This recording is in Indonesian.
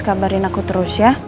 kabarin aku terus ya